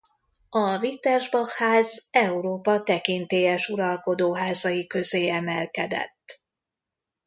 A Wittelsbach-ház Európa tekintélyes uralkodóházai közé emelkedett.